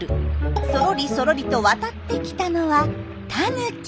そろりそろりと渡ってきたのはタヌキ。